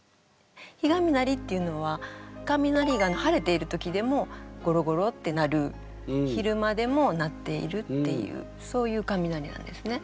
「日雷」っていうのは雷が晴れている時でもゴロゴロって鳴る昼間でも鳴っているっていうそういう雷なんですね。